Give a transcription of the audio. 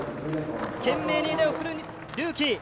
懸命に腕を振るルーキー。